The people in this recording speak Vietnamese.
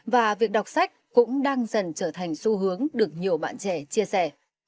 và việc đọc sách cũng đang dần trở thành xu hướng được nhiều bạn trẻ chia sẻ